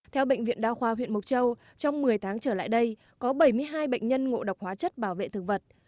theo bệnh viện đa khoa huyện mộc châu trong một mươi tháng trở lại đây có bảy mươi hai bệnh nhân ngộ độc hóa chất bảo vệ thực vật